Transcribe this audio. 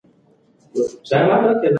دغه کور چا جوړ کړی دی؟